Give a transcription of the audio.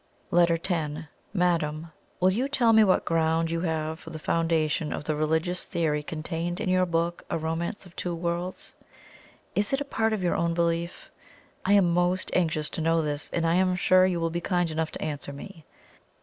LETTER X. "MADAM, "Will you tell me what ground you have for the foundation of the religious theory contained in your book, 'A Romance of Two Worlds'? Is it a part of your own belief? I am MOST anxious to know this, and I am sure you will be kind enough to answer me.